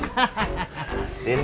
kucing kurus malah dipapan